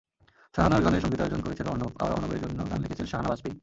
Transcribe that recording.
সাহানার গানের সংগীতায়োজন করেছেন অর্ণব, আবার অর্ণবের জন্য গান লিখেছেন সাহানা বাজপেয়ি।